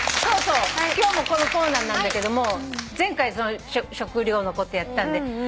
そうそう今日もこのコーナーなんだけども前回食料のことやったんで。